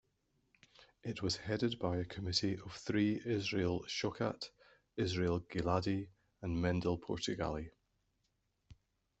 It was headed by a committee of three-Israel Shochat, Israel Giladi, and Mendel Portugali.